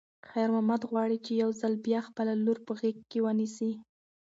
خیر محمد غواړي چې یو ځل بیا خپله لور په غېږ کې ونیسي.